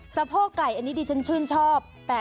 สะโพกไก่อันนี้ดิฉันชื่นชอบ